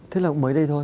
thế là mới đây thôi